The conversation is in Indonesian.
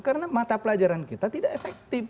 karena mata pelajaran kita tidak efektif